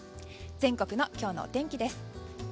全国の今日のお天気です。